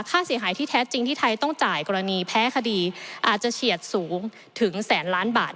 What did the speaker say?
ค่าเสียหายที่แท้จริงที่ไทยต้องจ่ายกรณีแพ้คดีอาจจะเฉียดสูงถึงแสนล้านบาท